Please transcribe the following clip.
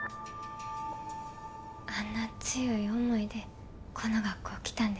あんな強い思いでこの学校来たんですね。